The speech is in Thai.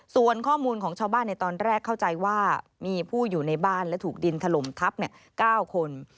ส่วนข้อมูลของชาวบ้านในตอนแรกเข้าใจว่ามีผู้อยู่ในบ้านและถูกดินถล่มทับ๙คน